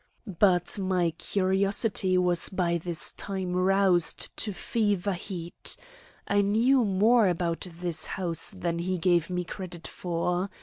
But my curiosity was by this time roused to fever heat. I knew more about this house than he gave me credit for.